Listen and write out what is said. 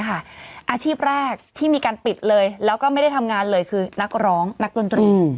อาชีพแรกที่มีการปิดเลยแล้วก็ไม่ได้ทำงานเลยคือนักร้องนักดนตรี